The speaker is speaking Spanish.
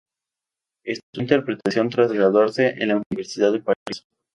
Estudió interpretación tras graduarse en la Universidad de París.